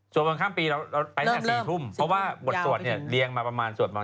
สวดมนต์ข้ามปีเราเลียงมันใหญ่๔ทุ่ม